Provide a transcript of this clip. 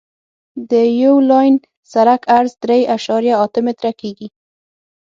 د یو لاین سرک عرض درې اعشاریه اته متره کیږي